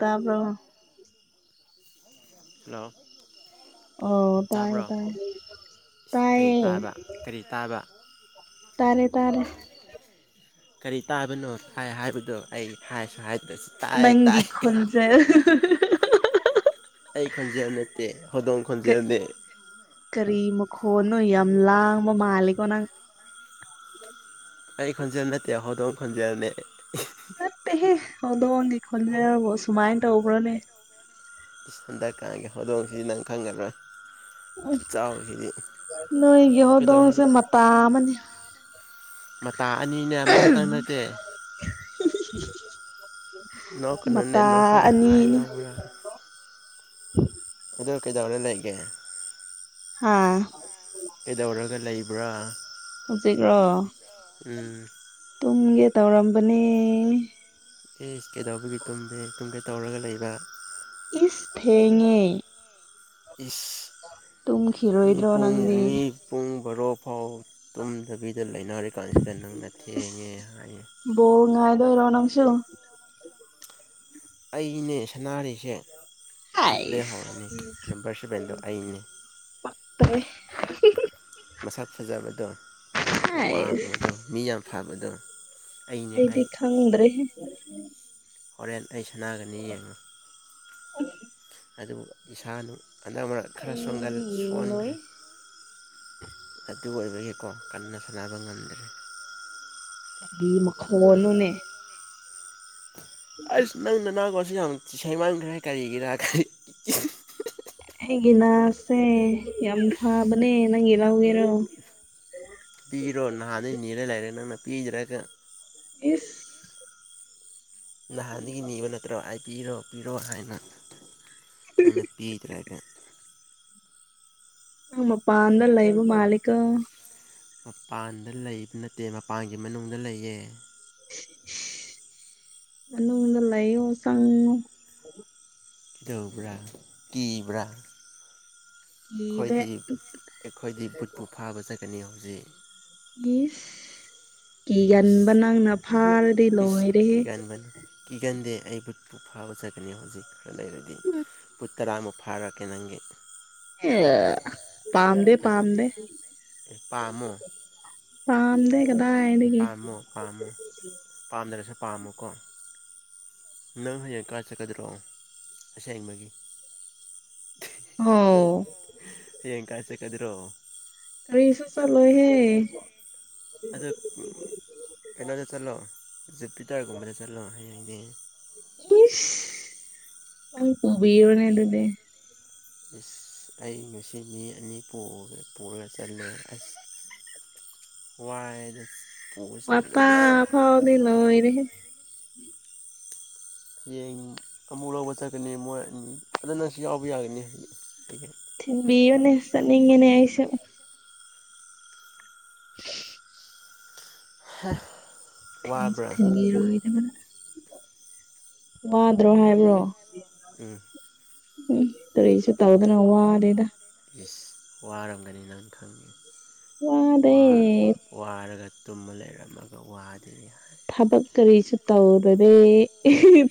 ꯇꯥꯕ꯭ꯔꯣ [unintelligible] ꯑꯣ ꯇꯥꯏꯌꯦ ꯇꯥꯕ꯭ꯔꯣ ꯇꯥꯏ ꯀꯔꯤ ꯇꯥꯏꯌꯦ ꯇꯥꯕ ꯀꯔꯤ ꯇꯥꯕ ꯇꯥꯔꯦ ꯇꯥꯔꯦ ꯀꯔꯤ ꯇꯥꯕꯅꯣ ꯍꯥꯏ ꯍꯥꯏꯕꯗꯣ ꯑꯩ ꯍꯥꯏꯁꯨ ꯍꯥꯏꯗ꯭ꯔꯁꯨ ꯇꯥꯏ ꯇꯥꯏ ꯅꯪꯒꯤ ꯈꯣꯟꯖꯦ ꯑꯩ ꯈꯣꯟꯖꯦꯜ ꯅꯠꯇꯦ ꯍꯧꯗꯣꯡ ꯈꯣꯟꯖꯦꯜꯅꯦ ꯀꯔꯤ ꯃꯈꯣꯟꯅꯣ ꯌꯥꯝ ꯂꯥꯡꯕ ꯃꯥꯂꯦꯀꯣ ꯅꯪ ꯑꯩ ꯈꯣꯟꯖꯦꯜ ꯅꯠꯇꯦ ꯍꯧꯗꯣꯡ ꯈꯣꯟꯖꯦꯜꯅꯦ ꯅꯠꯇꯦꯍꯦ ꯍꯧꯗꯣꯡꯒꯤ ꯈꯣꯟꯖꯦꯜꯕꯣ ꯁꯨꯃꯥꯏꯅ ꯇꯧꯕ꯭ꯔꯣꯅꯦ ꯏꯁ ꯗꯔꯀꯥꯔꯒꯤ ꯍꯧꯗꯣꯡꯁꯤ ꯅꯪ ꯈꯪꯉꯔꯣꯏ ꯎꯝ ꯈꯨꯆꯥꯎꯁꯤꯗꯤ ꯅꯣꯏꯒꯤ ꯀꯩꯗꯧ ꯍꯧꯗꯣꯡꯁꯦ ꯃꯇꯥ ꯑꯃꯅꯤ ꯃꯇꯥ ꯑꯅꯤꯅꯦ ꯑꯃꯈꯛꯇꯪ ꯅꯠꯇꯦ ꯅꯣꯛꯀꯅꯨꯅꯦ ꯃꯇꯥ ꯅꯣꯛꯄꯒꯤ ꯐꯥꯏꯟ ꯑꯅꯤꯅꯤ [unintelligible] ꯍꯧꯕ꯭ꯔꯥ ꯎꯗꯧꯀꯗ ꯑꯣ ꯂꯩꯒꯦ [unintelligible] ꯍꯥꯥ ꯀꯩꯗꯧꯔꯒ ꯂꯩꯕ꯭ꯔꯥ [unintelligible] ꯍꯧꯖꯤꯛꯔꯣ ꯎꯝ ꯇꯨꯡꯒꯦ ꯇꯧꯔꯝꯕꯅꯦ ꯑꯦ ꯀꯩꯗꯧꯕꯒꯤ ꯇꯨꯝꯗꯦ ꯇꯨꯝ ꯒꯩ ꯇꯧꯔꯒ ꯂꯩꯕ ꯏꯁ ꯊꯦꯡꯉꯦ ꯏꯁ ꯇꯨꯝꯈꯤꯔꯣꯏꯗ꯭ꯔꯣ ꯃꯤꯄꯨꯡ ꯅꯪꯗꯤ ꯃꯤ ꯄꯨꯡ ꯕꯣꯔꯣ ꯐꯥꯎ ꯇꯨꯝꯗꯕꯤꯗ ꯂꯩꯅꯔꯤꯀꯥꯟꯁꯤꯗ ꯅꯪꯅ ꯊꯦꯡꯉꯦ ꯍꯥꯏꯌꯦ ꯑꯣ ꯉꯥꯏꯕꯗ ꯔꯣꯅꯪꯁꯨ ꯑꯩꯅꯦ ꯁꯅꯥꯔꯤꯁꯦ ꯍꯧꯖꯤꯛ ꯂꯩꯍꯧꯔꯅꯦ ꯍꯥꯏꯁ ꯅꯝꯕꯔ ꯁꯚꯦꯟꯗꯣ ꯑꯩꯅꯦ [unintelligible] ꯃꯁꯛ ꯐꯖꯕꯗꯣ ꯑꯁ ꯋꯥꯡꯕꯗꯣ ꯃꯤ ꯌꯥꯝ ꯐꯕꯗꯣ [unintelligible] ꯑꯩꯅꯦ ꯑꯩꯗꯤ ꯑꯩ ꯈꯪꯗ꯭ꯔꯦꯍꯦ ꯍꯣꯔꯦꯟ ꯑꯩ ꯁꯥꯟꯅꯒꯅꯤ ꯌꯦꯡꯉꯣ [inaudible] ꯑꯗꯨ ꯏꯁꯥꯅ ꯑꯟꯅꯛ ꯈꯔ ꯁꯣꯟꯒꯜ ꯑꯩꯗꯤ ꯌꯦꯡꯂꯣꯏ ꯁꯣꯟꯈ꯭ꯔꯦ ꯑꯗꯨ ꯑꯣꯏꯕꯒꯤꯀꯣ ꯀꯟꯅ ꯁꯅꯕ ꯉꯝꯗ꯭ꯔꯦ ꯀꯔꯤ ꯃꯈꯣꯅꯨꯅꯦ ꯑꯁ ꯅꯪ ꯅꯅꯥꯒꯣꯟꯁꯤ ꯌꯥꯝ ꯁꯦꯡꯃꯟꯈ꯭ꯔꯦ ꯀꯔꯤꯒꯤꯔ ꯀꯔꯤ [unintelligible] ꯑꯩꯒꯤ ꯅꯁꯦ ꯌꯥꯝ ꯐꯕꯅꯦ ꯅꯪꯒꯤ ꯂꯧꯒꯦꯔꯣ ꯄꯤꯔꯣ ꯅꯍꯥꯟꯗꯩ ꯅꯤꯔ ꯂꯩꯔꯦ ꯅꯪꯅ ꯄꯤꯗ꯭ꯔꯒ ꯏꯁ ꯅꯍꯥꯟꯗꯒꯤ ꯅꯤꯕ ꯅꯠꯇ꯭ꯔꯣ ꯑꯩ ꯄꯤꯔꯣ ꯄꯤꯔꯣ ꯍꯥꯏꯅ ꯅꯪꯅ ꯄꯤꯗ꯭ꯔꯒ ꯃꯄꯥꯟꯗ ꯂꯩꯕ ꯃꯥꯟꯂꯤꯀꯣ ꯃꯄꯥꯟꯗ ꯂꯩꯕ ꯅꯠꯇꯦ ꯃꯄꯥꯟꯒꯤ ꯃꯅꯨꯡꯗ ꯂꯩꯌꯦ ꯃꯅꯨꯡꯗ ꯂꯩꯑꯣ ꯆꯪꯉꯣ ꯀꯔꯤꯒꯤꯔ ꯀꯤꯕ꯭ꯔꯥ ꯀꯤꯗꯦ ꯑꯩꯈꯣꯏꯗꯤ ꯑꯩꯈꯣꯏꯗꯤ ꯕꯨꯠꯄꯨ ꯐꯥꯕ ꯆꯠꯀꯅꯤ ꯍꯧꯖꯤꯛ ꯏꯁ ꯀꯤꯒꯟꯕ ꯅꯪꯅ ꯐꯥꯔꯗꯤ ꯏꯁ ꯏꯁ ꯂꯣꯏꯔꯦꯍꯦ ꯀꯤꯒꯟꯗꯦ ꯑꯩ ꯕꯨꯠꯄꯨ ꯐꯥꯕ ꯆꯠꯀꯅꯤ ꯍꯧꯖꯤꯛ ꯈꯔ ꯂꯩꯔꯗꯤ ꯇꯔꯥꯃꯨꯛ ꯐꯥꯔꯛꯀꯦ ꯅꯪꯒꯤ ꯑ ꯄꯥꯝꯗꯦ ꯄꯝꯗꯦ ꯑꯦ ꯄꯥꯝꯃꯣ [unintelligible] ꯄꯝꯗꯦ ꯀꯗꯥꯢꯗꯒꯝ ꯄꯥꯝꯃꯨ ꯄꯥꯝꯗ꯭ꯔꯁꯨ ꯄꯥꯝꯃꯨꯀꯣ ꯅꯪ ꯍꯌꯦꯡ ꯀꯥ ꯆꯠꯀꯗ꯭ꯔꯣꯑꯣ ꯑꯁ ꯌꯦꯡꯕꯒꯤ ꯍꯥꯎ ꯍꯌꯦꯡ ꯀꯥꯏ ꯆꯠꯀꯗ꯭ꯔꯣ ꯀꯔꯤꯁꯨ ꯆꯂꯣꯏꯍꯦ ꯑꯗꯨ ꯀꯩꯅꯣꯗ ꯆꯠꯂꯣ ꯖꯄꯤꯇꯔꯒꯨꯝꯕꯗ ꯆꯠꯂꯣ ꯍꯌꯦꯡꯗꯤ ꯅꯪ ꯄꯨꯕꯤꯔꯅꯦ ꯑꯗꯨꯗꯤ ꯏꯁꯁ ꯑꯩ ꯉꯁꯤ ꯃꯤ ꯑꯅꯤ ꯄꯨꯔꯒ ꯆꯠꯂꯦ ꯑꯁ ꯋꯥꯏ ꯃꯄ ꯐꯥꯎꯅꯤ ꯂ ꯑꯣꯏꯔꯦ ꯍꯌꯦꯡ ꯑꯃꯨꯛ ꯂꯧꯕ ꯆꯠꯀꯅꯤ ꯃꯣꯏ ꯑꯅꯤ ꯑꯗꯨ ꯅꯪꯁꯨ ꯌꯥꯎꯕ ꯌꯥꯒꯅꯤ ꯍꯧ ꯊꯤꯟ ꯕꯤ ꯌꯣꯅꯦ ꯆꯠꯅꯤꯡꯉꯦꯅꯦ ꯑꯩꯁꯨ [unintelligible] ꯊꯤꯟꯁꯤ ꯋꯥꯕ꯭ꯔꯥ ꯊꯤꯟꯕꯤꯔꯗ ꯋꯥꯗ꯭ꯔꯣ ꯍꯥꯏꯕ꯭ꯔꯣ ꯎꯝ ꯎꯝ ꯀꯔꯤꯁꯨ ꯇꯧꯗꯅ ꯋꯥꯗꯦꯗ ꯌꯦꯁ ꯋꯥ ꯔꯝꯒꯅꯤꯅ ꯈꯪꯉꯅꯤ ꯋꯥꯗꯦ ꯋꯥ ꯋꯥꯔꯒ ꯇꯨꯝꯃ ꯂꯩꯔꯝꯃꯒ ꯋꯥꯗꯦ ꯊꯕꯛ ꯀꯔꯤꯁꯨ ꯇꯧꯗꯅꯦ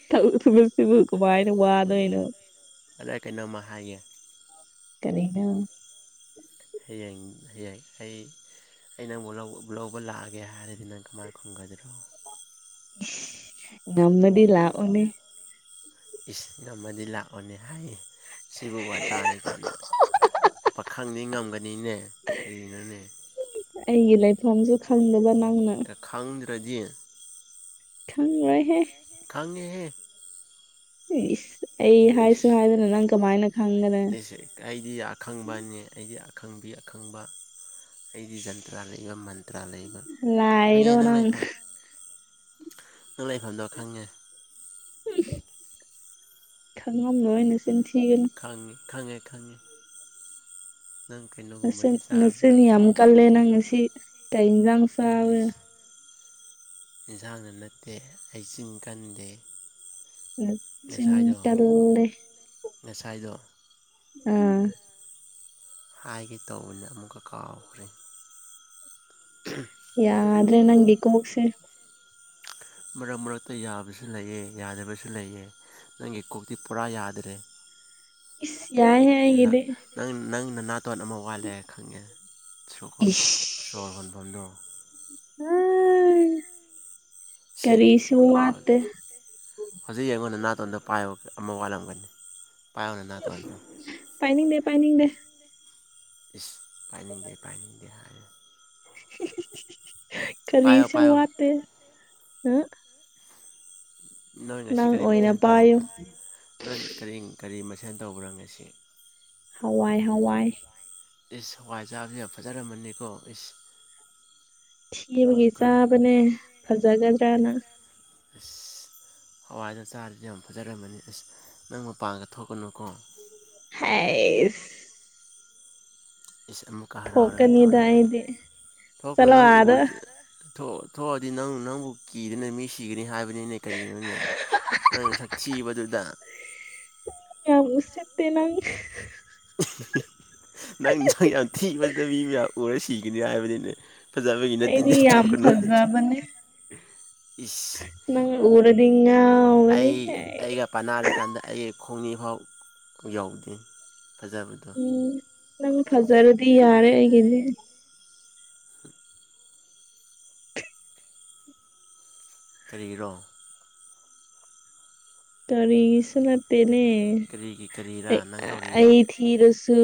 ꯇꯧꯗꯕꯁꯤꯕꯨ ꯀꯃꯥꯏꯅ ꯋꯥꯗꯣꯏꯅꯣ ꯑꯗꯨꯗ ꯀꯩꯅꯣꯃ ꯍꯥꯏꯌꯦ ꯀꯔꯤꯅ ꯍ ꯌꯥꯏ ꯍꯌꯦ ꯑꯩꯩ ꯑꯩ ꯅꯪ ꯂꯧꯕ ꯂꯥꯛꯑꯒꯦ ꯍꯥꯏꯔꯗꯤ ꯅꯪ ꯀꯃꯥꯏꯅ ꯈꯨꯝꯒꯗ꯭ꯔꯣ ꯉꯝꯅꯗꯤ ꯂꯥꯛꯑꯣꯅꯤ ꯏꯁꯤꯡ ꯑꯃꯗꯤ ꯂꯥꯛꯑꯣꯅꯤ ꯍꯥꯏꯌꯦ ꯁꯤꯕꯨ ꯋꯥꯇꯥꯅꯤ ꯀꯥꯏꯅ ꯄꯥꯈꯪꯗꯤ ꯉꯝꯒꯅꯤꯅꯦ ꯀꯔꯤꯅꯣꯅꯦ ꯑꯩꯒꯤ ꯂꯩꯐꯝꯁꯨ ꯈꯪꯗꯕ ꯅꯪꯅ ꯑꯦꯔ ꯈꯪꯔꯗꯤ ꯈꯪꯉꯣꯏꯍꯦ ꯈꯪꯉꯦꯍꯦ ꯏꯁ ꯑꯩ ꯍꯥꯏꯁꯨ ꯍꯥꯏꯗꯅ ꯅꯪ ꯀꯃꯥꯏꯅ ꯈꯪꯒꯅ ꯑꯩꯁꯦ ꯑꯩꯗꯤ ꯑꯈꯪꯕꯅꯤ ꯑꯩꯗꯤ ꯑꯈꯪꯕꯤ ꯑꯈꯪꯕ ꯑꯩꯗꯤ ꯖꯟꯇ꯭ꯔꯥ ꯂꯩꯕ ꯃꯟꯇ꯭ꯔꯥ ꯂꯩꯕ ꯈꯪꯉꯦ ꯅꯪ ꯂꯩꯄ ꯅꯪ ꯂꯩꯐꯝꯗꯣ ꯈꯪꯉꯦ ꯈꯪꯉꯝ ꯅꯅ ꯆꯤꯟ ꯊꯤꯒꯅꯤ ꯊꯤ ꯊꯉꯦ ꯊꯉꯦ ꯅꯪ ꯀ ꯅꯁꯅꯤ ꯌꯥꯝꯝ ꯀꯜꯂꯦ ꯅꯪꯅ ꯁꯤ ꯇꯥꯏꯅꯖꯥꯡ ꯆꯕ ꯏꯁ ꯏꯟꯁꯥꯡꯅ ꯅꯠꯇꯦ ꯑꯩꯆꯤꯟ ꯀꯟꯗꯦ ꯆꯤꯟꯀꯜ ꯂꯦ ꯉꯁꯥꯏꯗ ꯎꯝ ꯍꯥꯏꯒꯦ ꯇꯧꯕꯗꯣ ꯑꯃꯨꯛꯀ ꯀꯥꯎꯈ꯭ꯔꯦ ꯏꯁ ꯌꯥꯗ꯭ꯔꯦ ꯅꯪ ꯀꯣꯛꯁꯤ ꯃꯔꯛ ꯃꯔꯛꯇ ꯌꯥꯕꯁꯨ ꯂꯩꯌꯦ ꯌꯥꯗꯕꯁꯨ ꯂꯩꯌꯦ ꯅꯪꯒꯤ ꯀꯣꯛꯇꯤ ꯄꯨꯔꯥ ꯌꯥꯗ꯭ꯔꯦ ꯏ ꯌꯥꯏ ꯍꯦ ꯅ ꯑꯩꯒꯤꯗꯤ ꯅꯪ ꯅꯅꯥꯇꯣꯟ ꯑꯃ ꯋꯥꯠꯂꯦ ꯈꯪꯉꯦ ꯏꯁ ꯁꯣꯔ ꯍꯣꯟꯐꯝꯗꯣ ꯁꯦ ꯀꯔꯤꯁꯨ ꯋꯥꯠꯇꯦ ꯍꯧꯖꯤꯛ ꯌꯦꯡꯉꯣ ꯅꯅꯥꯇꯣꯟꯗꯣ ꯄꯥꯏꯌꯣ ꯑꯃ ꯋꯥꯠꯂꯝꯒꯅꯤ ꯄꯥꯏꯌꯣ ꯅꯅꯥꯇꯣꯟꯗꯣ ꯄꯥꯏꯅꯤꯡꯗꯦ ꯄꯥꯏꯅꯤꯡꯗꯦ ꯏꯁ ꯄꯥꯏꯅꯤꯡꯗꯦ ꯄꯥꯏꯅꯤꯡꯗꯦ ꯄꯥꯏꯌꯣ ꯀꯔꯤꯁꯨ ꯄꯥꯏꯌꯣ ꯋꯥꯠꯇꯦ ꯅꯣꯏ ꯉꯁꯤ ꯅꯪ ꯀꯔꯤ ꯑꯣꯏꯅ ꯃꯊꯦꯜ ꯄꯥꯏꯌꯨ ꯇꯧꯕ꯭ꯔꯥ ꯅꯪ ꯀꯔꯤ ꯀꯔꯤ ꯃꯊꯦꯜ ꯇꯧꯕ꯭ꯔꯥ ꯉꯁꯤ ꯍꯋꯥꯏ ꯍꯋꯥꯏ ꯏꯁ ꯍꯋꯥꯏ ꯆꯥꯕꯗꯤ ꯌꯥꯝ ꯐꯖꯔꯝꯃꯅꯤꯀꯣ ꯏꯁ ꯊꯤꯕꯒꯤ ꯑꯩꯈꯣꯏ ꯆꯥꯕꯅꯦ ꯐꯖꯒꯗ꯭ꯔꯅ ꯑꯁ ꯍꯋꯥꯏꯗꯣ ꯆꯥꯔꯗꯤ ꯌꯥꯝ ꯐꯖꯔꯝꯃꯅꯤ ꯑꯁ ꯅꯪ ꯃꯄꯥꯡꯒ ꯊꯣꯛꯀꯅꯨꯀꯣ ꯑꯥꯏꯁ ꯑꯃꯨꯛꯀ ꯍꯔꯥꯎꯔꯒ ꯊꯣꯛꯀꯅꯤꯗ ꯇꯧꯔꯦꯅꯦ ꯑꯩꯗꯤ ꯊꯣꯛꯒꯅꯨ ꯆꯠꯂꯣ ꯅꯪ ꯑꯥꯗ ꯎꯔ ꯊꯣꯛꯑꯗꯤ ꯅꯪ ꯅꯪꯕꯨ ꯀꯤꯗꯅ ꯃꯤ ꯁꯤꯒꯅꯤ ꯍꯥꯏꯕꯅꯤꯅꯦ ꯀꯔꯤꯅꯣꯅꯦ ꯅꯪ ꯁꯛꯊꯤꯕꯗꯨꯗ ꯌꯥꯝ ꯎꯁꯤꯠꯇꯦ ꯅꯪ ꯅꯪ ꯁꯛ ꯌꯥꯝ ꯊꯤꯕꯗꯣ ꯃꯤ ꯃꯌꯥꯝ ꯎꯔ ꯁꯤꯒꯅꯤ ꯍꯥꯏꯕꯅꯤꯅꯦ ꯐꯖꯥꯕꯒꯤ ꯅꯠꯇꯦꯅꯦ ꯑꯩꯗꯤ ꯌꯥꯝ ꯊꯣꯛꯒꯅꯨ ꯍꯥꯢꯁꯦ ꯐꯖꯕꯅꯦ ꯅꯪ ꯎꯔꯗꯤ ꯉꯥꯎꯒꯅꯤ ꯍꯦ ꯄꯥꯅꯔꯀꯥꯟꯗ ꯑꯩ ꯈꯣꯡꯐꯥꯎ ꯌꯧꯗꯦ ꯐꯖꯕꯗꯨ ꯢꯁ ꯅꯪ ꯐꯖꯔꯗꯤ ꯌꯥꯔꯦ ꯑꯩꯒꯤꯗꯤ ꯀꯔꯤꯒꯤꯔꯣ ꯀꯔꯤꯁꯨ ꯅꯠꯇꯦꯅꯦ ꯀꯔꯤꯒꯤ ꯀꯔꯤꯔꯥ ꯅꯪ ꯇꯧꯔꯤꯗꯣ ꯑꯩ ꯊꯤꯔꯁꯨ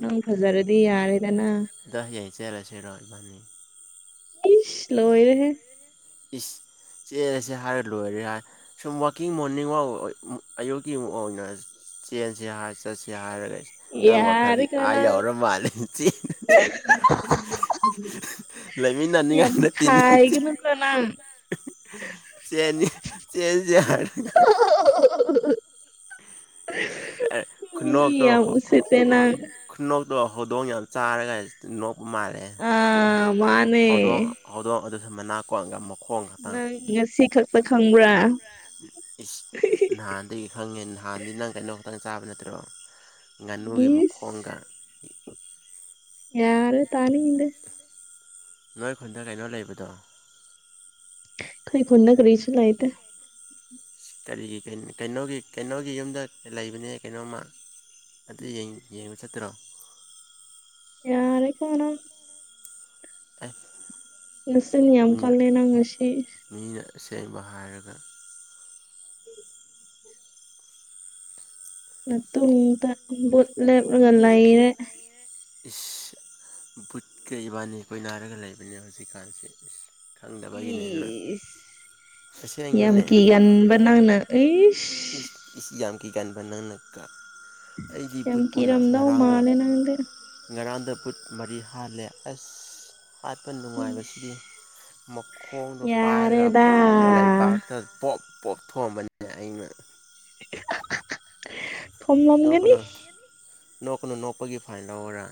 ꯅꯪ ꯐꯖꯔꯗꯤ ꯌꯥꯔꯦꯗꯅ ꯍꯌꯦꯡ ꯆꯦꯜꯂꯁꯤꯔꯣ ꯏꯕꯥꯅꯤ ꯏꯁ ꯂꯣꯏꯔꯦꯍꯦ ꯏꯁ ꯆꯦꯜꯂꯁꯦ ꯍꯥꯏꯔ ꯂꯣꯏꯔꯦ ꯍꯥꯏ ꯁꯨꯝ ꯋꯥꯛꯀꯤꯡ ꯃꯣꯔꯅꯤꯡ ꯑꯌꯨꯛꯀꯤ ꯑꯣꯏꯅ ꯆꯦꯟꯁꯦ ꯍꯥꯏ ꯌꯥꯔꯦ ꯅꯪ ꯋꯥꯈꯜꯗꯤ ꯌꯥꯔꯦꯀꯣ ꯑꯥ ꯅꯪ ꯌꯥꯎꯔ ꯃꯥꯜꯂꯦ ꯆꯤ [inaudible] ꯌꯥꯝ ꯂꯩꯃꯤꯟꯅꯅꯤꯡꯉꯥꯢ ꯅꯠꯇꯦꯅꯦ ꯈꯥꯏꯒꯅꯨꯀꯣ ꯅꯪ ꯆꯦꯟꯁꯦ ꯍꯥꯏꯔꯒ [inaudible] ꯈꯨꯅꯣꯛꯇꯣ ꯃꯤ ꯌꯥꯝ ꯎꯁꯤꯠꯇꯦ ꯅꯪ ꯈꯨꯅꯣꯛꯇꯣ ꯍꯧꯗꯣꯡ ꯌꯥꯝ ꯆꯥꯔꯒ ꯅꯣꯛꯄ ꯃꯥꯜꯂꯦ ꯑꯥ ꯃꯥꯅꯦ ꯍꯧꯗꯣꯡ ꯍꯧꯗꯣꯡ ꯑꯗꯨꯁꯨ ꯃꯅꯥꯀꯣꯟꯒ ꯃꯈꯣꯡ ꯈꯛꯇꯪ ꯅꯪ ꯉꯁꯤ ꯈꯛꯇ ꯈꯪꯕ꯭ꯔꯥ ꯏꯁ ꯅꯍꯥꯟꯗꯒꯤ ꯈꯪꯉꯦ ꯅꯍꯥꯟꯗꯤ ꯅꯪ ꯀꯩꯅꯣ ꯈꯛꯇꯪ ꯆꯥꯕ ꯅꯠꯇ꯭ꯔꯣ ꯉꯥꯅꯨꯒꯤ ꯏꯁ ꯃꯈꯣꯡꯒ ꯌꯥꯔꯦ ꯇꯥꯅꯤꯡꯗꯦ ꯅꯣꯏ ꯈꯨꯟꯗ ꯀꯩꯅꯣ ꯂꯩꯕꯗꯣ ꯑꯩꯈꯣꯢ ꯈꯨꯟꯗ ꯀꯔꯤꯁꯨ ꯂꯩꯇꯦ ꯀꯔꯤꯒꯤ ꯀꯩꯅꯣꯒꯤ ꯀꯩꯅꯣꯒꯤ ꯌꯨꯝꯗ ꯂꯩꯕꯅꯦ ꯀꯩꯅꯣꯝꯃ ꯑꯗꯨ ꯌꯦꯡꯕ ꯆꯠꯇꯔꯣ ꯌꯥꯔꯦꯒꯣ ꯅꯪ ꯇꯞ [inaudible] ꯅꯆꯤꯟ ꯌꯥꯝ ꯀꯜꯂꯦ ꯅꯪ ꯉꯁꯤ ꯃꯤꯅ ꯑꯁꯦꯡꯕ ꯍꯥꯏꯔꯒ ꯅꯇꯨꯡꯗ ꯕꯨꯠ ꯂꯦꯞꯂꯒ ꯂꯩꯔꯦ ꯂꯉꯏꯅꯦ [inaudible] ꯕꯨꯠꯀ ꯏꯕꯥꯅꯤ ꯀꯣꯏꯅꯔꯒ ꯂꯩꯕꯅꯦ ꯍꯧꯖꯤꯛꯀꯥꯟꯁꯦ ꯈꯪꯗꯕꯒꯤꯅꯦ ꯅꯪ ꯏꯁ ꯌꯥꯝ ꯑꯁꯦꯡꯕꯅꯦ ꯀꯤꯒꯥꯟꯕ ꯅꯪꯅ ꯏꯁ ꯌꯥꯝ ꯒꯤꯀꯥꯟꯕ ꯅꯪ ꯒꯥꯢꯅ ꯑꯩꯒꯤ ꯌꯥꯝ ꯏꯕꯨꯜ ꯄꯨꯅ ꯀꯤꯔꯝꯗꯧ ꯉꯔꯥꯡꯗ ꯃꯥꯜꯂꯦ ꯅꯪꯗꯤ ꯉꯔꯥꯡꯗ ꯕꯨꯠ ꯃꯔꯤ ꯍꯥꯜꯂꯦ ꯑꯁ ꯍꯥꯠꯄ ꯅꯨꯡꯉꯥꯏꯕꯁꯤꯗꯤ ꯏꯁ ꯃꯈꯣꯡꯗꯣ ꯄꯥꯏꯔꯒ ꯌꯥꯔꯦꯗ ꯂꯩꯕꯥꯛꯇ ꯄꯣꯞ ꯄꯣꯊꯣꯑꯝꯕꯅꯦ ꯑꯩꯅ [unintelligible] ꯅ ꯀꯩꯅꯨ ꯅ ꯀꯩꯅꯨ ꯅꯣꯛꯈꯣꯏꯒꯤ ꯐꯥꯏꯗ ꯑꯣꯔꯥ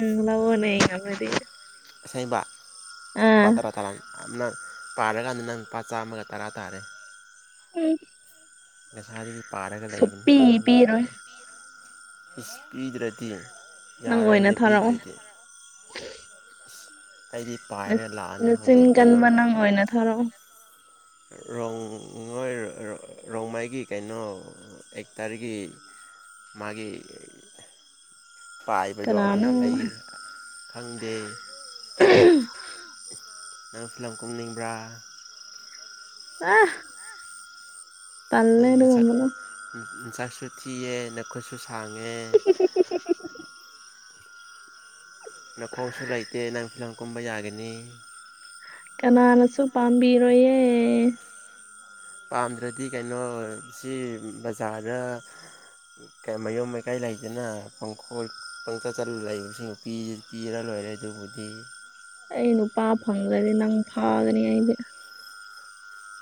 ꯎꯝ ꯂꯅꯦꯉꯗꯤ ꯑꯁꯦꯡꯕ ꯂꯨꯄꯥ ꯇꯔꯥ ꯇꯔꯥ ꯅꯪ ꯄꯥꯔꯀꯥꯟꯗ ꯅꯪ ꯂ ꯄꯄꯥ ꯆꯥꯝꯃꯒ ꯇꯔꯥ ꯇꯥꯔꯦ ꯎꯝ ꯅꯁꯥꯗꯒꯤ ꯄꯥꯔꯒ ꯂꯩꯕꯅꯤ ꯁꯨꯛꯄꯤ ꯑꯅ ꯄꯤꯔꯣꯏ ꯅꯄꯗ ꯏꯁ ꯄꯤꯗ꯭ꯔꯗꯤ ꯅꯪ ꯑꯣꯏꯅ ꯌꯥꯔꯣꯏꯅ ꯊꯥꯔꯛꯑꯣ ꯄꯤꯗ꯭ꯔꯗꯤ ꯑꯁ ꯑꯩꯗꯤ ꯄꯥꯏꯔꯦ ꯂꯥꯛꯑꯅꯤ ꯍꯧꯖꯤꯛ ꯀꯩꯅꯣ ꯍꯣꯏ ꯑꯣꯏꯅ ꯊꯧꯔꯛꯑꯣ ꯔꯣꯡꯉꯣꯏ ꯔꯣꯡꯃꯥꯏꯒꯤ ꯀꯩꯅꯣ ꯑꯦꯛꯇꯔꯒꯤ ꯃꯥꯒꯤ ꯄꯥꯏꯕꯗꯣ ꯑꯗꯨꯝ ꯀꯅꯥꯅꯣ ꯂꯩꯔꯦ ꯐꯪꯗꯦ ꯅꯪ ꯐꯤꯂꯝ ꯀꯨꯝꯅꯤꯡꯕ꯭ꯔꯥ ꯑ ꯅꯁꯛ ꯑꯗꯨꯒꯨꯝꯕꯗꯣ ꯃꯤꯁꯥꯛꯁꯨ ꯊꯤꯌꯦ ꯅꯈꯨꯠꯁꯨ ꯁꯥꯡꯉꯦ ꯆꯣ ꯆꯠ ꯆ ꯅꯈꯣꯡꯁꯨ ꯂꯩꯇꯦ ꯅꯪ ꯐꯤ ꯂꯪ ꯀꯨꯝꯕ ꯌꯥꯒꯅꯤ ꯀꯅꯥꯅꯁꯨ ꯄꯥꯝꯕꯤꯔꯣꯏꯌꯦ ꯄꯥꯝꯗ꯭ꯔꯗꯤ ꯀꯩꯅꯣ ꯁꯤ ꯕꯖꯥꯔꯗ ꯃꯌꯨꯝ ꯃꯀꯥꯏ ꯂꯩꯗꯅ ꯄꯪꯈꯣꯜ ꯄꯪꯆꯠ ꯆꯠꯂ ꯂꯩꯕꯁꯤꯡ ꯄꯤꯔ ꯂꯣꯏꯔꯦ ꯑꯗꯨꯕꯨꯗꯤ ꯑꯩ ꯅꯨꯄꯥ ꯐꯪꯗ꯭ꯔꯗꯤ ꯅꯪ ꯐꯥꯒꯅꯤ ꯑꯩꯗꯤ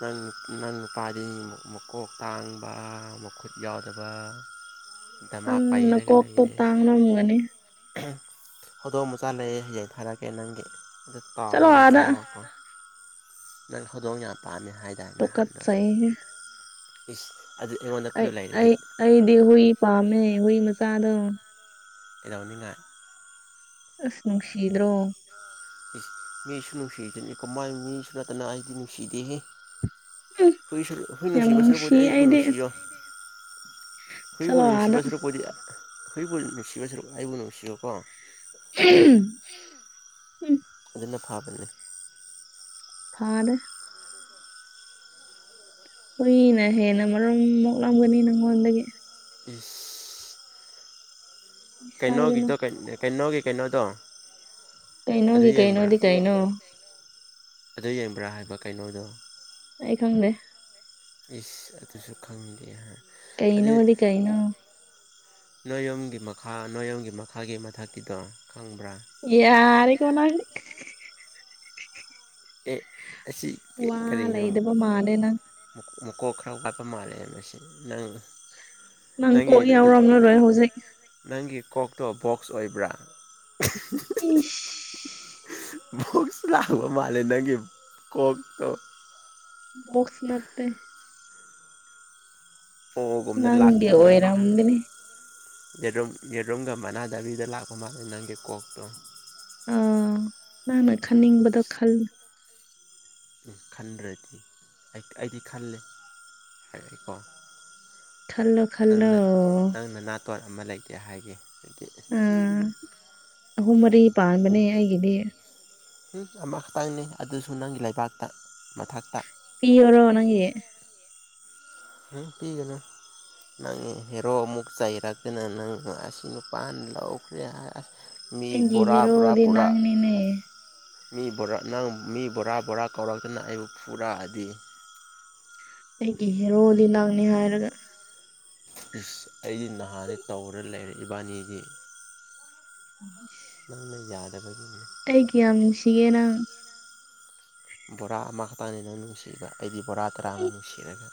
ꯅꯪ ꯅꯪ ꯅꯨꯄꯥꯗꯤ ꯃꯀꯣꯛ ꯇꯥꯡꯕ ꯃꯈꯨꯠ ꯌꯥꯎꯗꯕ ꯅ ꯗꯃꯥ ꯅ ꯀꯣꯛꯇ ꯇꯥꯡꯅꯝꯒꯅꯤ ꯍꯧꯗꯣꯛ ꯃꯆꯥ ꯂꯩꯑ ꯍꯌꯦꯡ ꯊꯥꯔꯛꯀꯦ ꯅꯪꯒꯤ ꯑꯗꯨ ꯆꯠꯂꯣ ꯇꯥꯎꯔꯒ ꯑꯥꯗ ꯆꯥꯎꯉꯀꯣ ꯅꯪ ꯈꯨꯗꯣꯡ ꯌꯥꯝ ꯄꯥꯝꯃꯦ ꯍꯥꯏꯁꯦ ꯑꯗꯨꯗꯥ ꯅꯍꯥꯟꯗꯣ ꯇꯨꯀꯠꯆꯩꯍꯦ ꯏꯁ ꯑꯗꯨ ꯑꯩꯉꯣꯟꯗ ꯑꯩ ꯄꯤꯌꯣ ꯂꯩꯔꯗꯤ ꯑꯩ ꯑꯩꯗꯤ ꯍꯨꯏ ꯄꯥꯝꯃꯦ ꯍꯨꯏ ꯃꯆꯥꯗꯣ ꯀꯩꯗꯧꯅꯤꯡꯉꯥꯏ ꯑꯁ ꯅꯨꯡꯁꯤꯗ꯭ꯔꯣ ꯏꯁ ꯃꯤꯁꯨ ꯅꯨꯡꯁꯤꯗꯅꯥꯏ ꯃꯤꯁꯨ ꯅꯠꯇꯅ ꯑꯩꯗꯤ ꯅꯨꯡꯁꯤꯗꯦꯍꯦ ꯎꯝ ꯍꯨꯏ ꯍꯨꯏ ꯌꯥꯝ ꯅꯨꯡꯁꯤꯕ ꯅꯨꯡꯁꯤ ꯁꯔꯕꯨꯗꯤ ꯑꯩꯕꯨ ꯑꯩꯗꯤ ꯅꯨꯡꯁꯤꯌꯣ ꯍꯨꯏꯕꯨ ꯆꯠꯂꯣ ꯅꯨꯡꯁꯤꯕ ꯑꯥꯗ ꯁꯔꯨꯛꯄꯣꯗꯤ ꯍꯨꯏꯕꯨ ꯅꯨꯡꯁꯤꯕ ꯁꯨꯔꯨꯄ ꯑꯩꯕꯨ ꯅꯨꯡꯁꯤꯕꯀꯣ ꯎꯝ ꯑꯗꯨꯅ ꯐꯥꯕꯅꯤ ꯐꯥꯅꯦ ꯍꯨꯏꯅ ꯍꯦꯟꯅ ꯃꯔꯣꯝ ꯃꯣꯛꯂꯝꯒꯅꯤ ꯅꯪꯉꯣꯟꯗꯒꯤ ꯎ ꯀꯩꯅꯣꯒꯤ ꯏꯁꯥꯏꯒꯅꯨ ꯀꯩꯅꯣꯒꯤ ꯀꯩꯅꯣꯗ ꯑꯗꯨ ꯀꯩꯅꯣꯒꯤ ꯌꯦꯡꯕ꯭ꯔꯥ ꯀꯩꯅꯣꯗꯤ ꯀꯩꯅꯣ ꯑꯗꯨ ꯌꯦꯡꯕ꯭ꯔꯥ ꯍꯥꯏꯕ ꯀꯩꯅꯣꯗꯣ ꯑꯩ ꯈꯪꯅꯦ ꯏꯁ ꯑꯗꯨꯁꯨ ꯈꯪꯗꯦ ꯀꯩꯅꯣ ꯀꯩꯅꯣ ꯅꯣꯏꯌꯣꯝꯒꯤ ꯃꯈꯥ ꯅꯣꯌꯌꯣꯝꯒꯤ ꯃꯈꯥꯒꯤ ꯃꯊꯛꯀꯤꯗꯣ ꯈꯪꯕ꯭ꯔꯥ ꯌꯥꯔ ꯀꯣꯟꯅ ꯑꯦ ꯑꯁꯤ ꯋꯥ ꯀꯔꯤꯅꯣ ꯂꯩꯗꯕ ꯃꯥꯜꯂꯦ ꯅꯪ ꯃꯀꯣꯛ ꯈꯔ ꯋꯥꯠꯄ ꯃꯥꯜꯂꯦ ꯃꯁꯤ ꯅꯪ ꯅꯪ ꯀꯣꯛ ꯅꯪꯒꯤ ꯌꯥꯎꯔꯝꯔꯔꯣꯏ ꯍꯧꯖꯤꯛ ꯅꯪꯒꯤ ꯀꯣꯛꯇꯣ ꯕꯣꯛꯁ ꯑꯣꯏꯕ꯭ꯔꯥ ꯏꯁ ꯕꯣꯛꯁ ꯂꯥꯛꯕ ꯃꯥꯂꯦ ꯅꯪꯒꯤ ꯀꯣꯛꯇꯣ ꯕꯣꯛꯁ ꯅꯠꯇꯦ ꯑꯣꯒꯨꯝꯅ ꯅꯪꯒꯤ ꯂꯥꯛꯇꯕ꯭ꯔꯥ ꯃꯥꯅ ꯑꯣꯏꯔꯝꯒꯅꯤ ꯌꯦꯔꯨꯝ ꯌꯦꯔꯨꯝꯒ ꯃꯅꯥꯗꯥꯕꯤꯗ ꯂꯥꯛꯄ ꯃꯥꯜꯂꯦ ꯅꯪꯒꯤ ꯀꯣꯛꯇꯣ ꯑꯥ ꯅꯪꯅ ꯈꯟꯅꯤꯡꯕꯗꯣ ꯈꯜꯂ ꯎꯝ ꯈꯟꯗ꯭ꯔꯗꯤ ꯑꯩꯗꯤ ꯈꯜꯂꯦ ꯍꯥꯏꯀꯣ ꯈꯜꯂꯣ ꯈꯜꯂꯣ ꯇꯣꯟ ꯑꯃ ꯂꯩꯇꯦ ꯍꯥꯏꯒꯦ ꯎꯝ ꯑꯍꯨꯝ ꯃꯔꯤ ꯄꯥꯟꯕꯅꯦ ꯑꯩꯒꯤꯗꯤ ꯍꯝ ꯑꯃꯈꯛꯇꯪꯅꯤ ꯑꯗꯨꯁꯨ ꯅꯪꯒꯤ ꯂꯩꯕꯥꯛꯇ ꯃꯊꯛꯇ ꯄꯤ ꯑꯣꯏꯔꯣ ꯅꯪꯒꯤ ꯄꯤꯒꯅꯨ ꯅꯪ ꯍꯦꯔꯣ ꯑꯃꯨꯛ ꯆꯩꯔꯛꯇꯅ ꯅꯪ ꯑꯁꯤ ꯅꯨꯄꯥꯅ ꯂꯧꯈ꯭ꯔꯦ ꯑꯁ ꯃꯤ ꯑꯩꯒꯤ ꯕꯣꯔꯥ ꯕꯣꯔꯥ ꯍꯦꯔꯣꯗꯤ ꯄꯨꯔꯥ ꯅꯪꯅꯤꯅꯦ ꯃꯤ ꯅꯪ ꯃꯤ ꯕꯣꯔꯥ ꯕꯣꯔꯥ ꯀꯧꯔꯛꯇꯅ ꯑꯩꯕꯨ ꯐꯨꯔꯛꯑꯗꯤ ꯑꯩꯒꯤ ꯍꯦꯔꯣꯗꯤ ꯅꯪꯅꯤ ꯍꯥꯏꯔꯒ ꯏꯁ ꯑꯩꯗꯤ ꯅꯍꯥꯟꯅꯦ ꯇꯧꯔ ꯂꯩꯔꯦ ꯏꯕꯥꯅꯤꯗꯤ ꯏꯁ ꯅꯪꯅ ꯌꯥꯗꯕꯒꯤ ꯑꯩꯒꯤ ꯀꯌꯥꯝ ꯅꯨꯡꯁꯤꯒꯦ ꯅꯪ ꯕꯣꯔꯥ ꯑꯃꯈꯛꯇꯥꯡꯅꯤ ꯅꯪ ꯅꯨꯡꯁꯤꯕ ꯑꯩꯗꯤ ꯕꯣꯔꯥ ꯎꯝ ꯇꯔꯥꯃꯨꯛ ꯅꯨꯡꯁꯤꯔꯒ